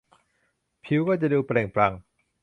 ผิวก็จะดูเปล่งปลั่ง